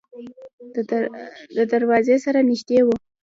د دروازې سره نږدې و.